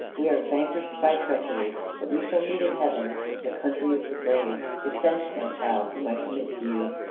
we are vanquished by treachery; but we shall meet in heaven, the country of the brave. Defend my child, whom I commit to you.